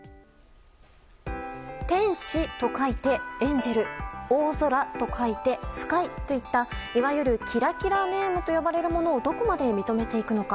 「天使」と書いてエンジェル「大空」と書いてスカイといったいわゆるキラキラネームと呼ばれるものをどこまで認めていくのか。